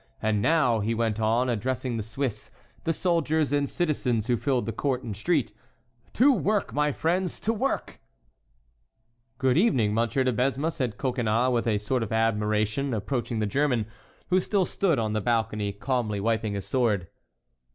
"And now," he went on, addressing the Swiss, the soldiers, and citizens who filled the court and street, "to work, my friends, to work!" "Good evening, M. de Besme," said Coconnas with a sort of admiration, approaching the German, who still stood on the balcony, calmly wiping his sword.